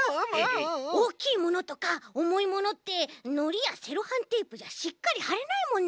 おおきいものとかおもいものってのりやセロハンテープじゃしっかりはれないもんね。